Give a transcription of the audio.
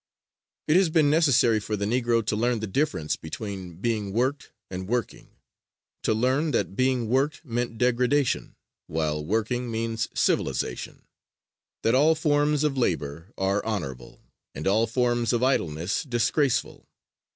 It has been necessary for the Negro to learn the difference between being worked and working to learn that being worked meant degradation, while working means civilization; that all forms of labor are honorable, and all forms of idleness disgraceful.